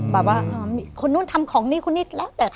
แบบว่ามีคนนู้นทำของนี่คนนี้แล้วแต่